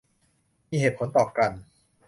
มีเหตุผลต่อกัน